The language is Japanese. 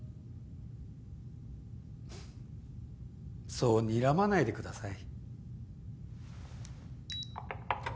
そうにらまないでください。